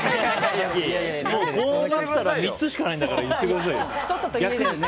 いやいや、こうなったら３つしかないんだから言ってくださいよ。